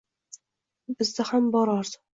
Bizda ham bor orzu